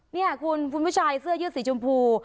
นี่คุณผู้ชายเสื้อยืดสีชมพู